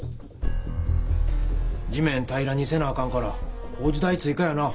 地面平らにせなあかんから工事代追かやな！